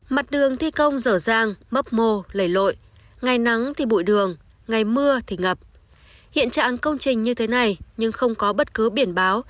mặt đường thi công dở dang mấp mô lẩy lội ngày nắng thì bụi đường ngày mưa thì ngập hiện trạng công trình như thế này nhưng không có bất cứ biển báo